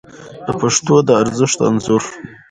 د پښتو د ارزښت انځور